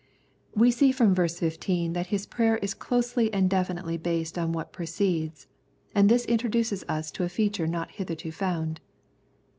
We see from verse 15 that his prayer is closely and definitely based on what precedes, and this introduces us to a feature not hitherto found.